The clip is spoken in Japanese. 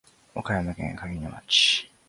岡山県鏡野町